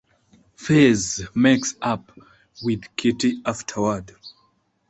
Fez makes up with Kitty afterward.